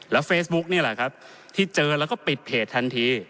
เฟซบุ๊กนี่แหละครับที่เจอแล้วก็ปิดเพจทันที